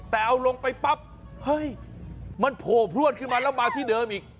แต่เอาลงไปปั๊บเฮ้ยมันโผล่พลวดขึ้นมาแล้วมาที่เดิมอีก